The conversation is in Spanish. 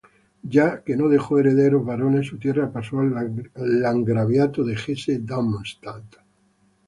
Ya que no dejó herederos varones, su tierra pasó al landgraviato de Hesse-Darmstadt.